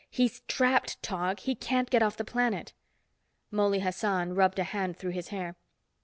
"He's trapped, Tog! He can't get off the planet." Mouley Hassan rubbed a hand through his hair.